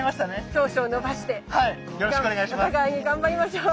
長所を伸ばしてお互いに頑張りましょう！